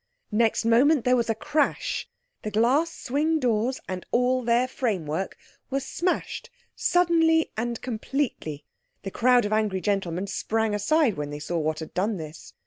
Next moment there was a crash. The glass swing doors and all their framework were smashed suddenly and completely. The crowd of angry gentlemen sprang aside when they saw what had done this.